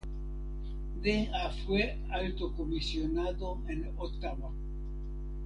De a fue Alto Comisionado en Ottawa.